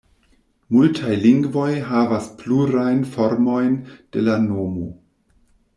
Multaj lingvoj havas plurajn formojn de la nomo.